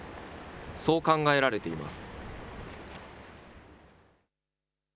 そう考えられています。